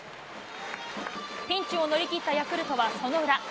ピンチを乗り切ったヤクルトはその裏。